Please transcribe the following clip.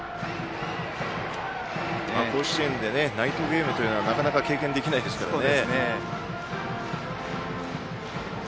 甲子園でナイトゲームというのはなかなか経験できないですからね。